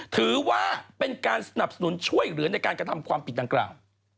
ถือว่าเป็นการสนับสนุนช่วยเหลือในการกระทำความผิดดังกล่าว